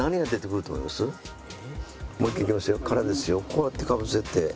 こうやってかぶせて。